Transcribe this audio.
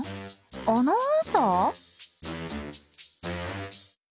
アナウンサー？